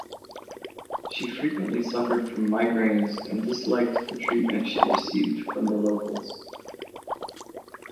She frequently suffered from migraines and disliked the treatment she received from the locals.